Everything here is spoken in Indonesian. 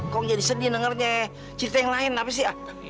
kok jadi sedih dengernya cerita yang lain apa sih